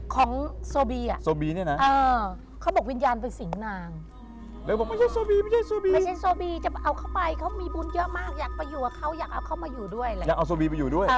ของใครโซบีนี่นะของโซบี